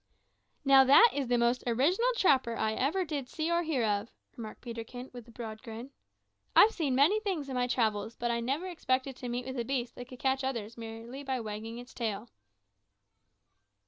"Now, that is the most original trapper I ever did see or hear of," remarked Peterkin, with a broad grin. "I've seen many things in my travels, but I never expected to meet with a beast that could catch others by merely wagging its tail."